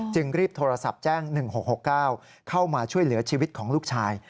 รีบโทรศัพท์แจ้ง๑๖๖๙เข้ามาช่วยเหลือชีวิตของลูกชาย